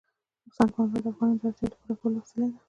سنگ مرمر د افغانانو د اړتیاوو د پوره کولو وسیله ده.